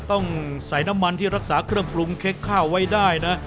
ต้องใส่น้ำมันที่รักษาเครื่องปรุงเค้กข้าวไว้ได้นะ